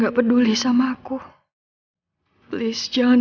baik kita akan berjalan